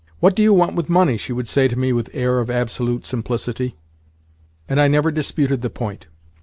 "What do you want with money?" she would say to me with air of absolute simplicity; and I never disputed the point.